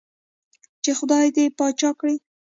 چې خدائے دې باچا کړه ـ